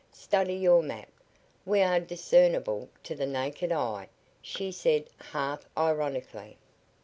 Study your map. We are discernible to the naked eye," she said, half ironically.